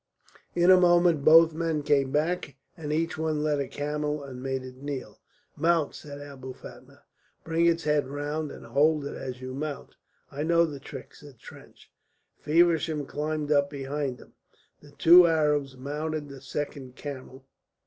In a moment both men came back, and each one led a camel and made it kneel. "Mount," said Abou Fatma. "Bring its head round and hold it as you mount." "I know the trick," said Trench. Feversham climbed up behind him, the two Arabs mounted the second camel.